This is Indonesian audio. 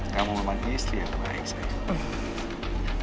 kamu memang istri yang terbaik saja